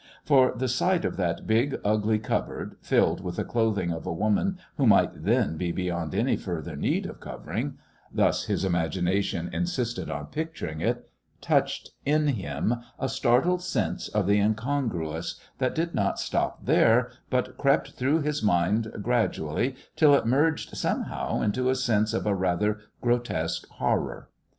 For the sight of that big, ugly cupboard, filled with the clothing of a woman who might then be beyond any further need of covering thus his imagination insisted on picturing it touched in him a startled sense of the Incongruous that did not stop there, but crept through his mind gradually till it merged somehow into a sense of a rather grotesque horror.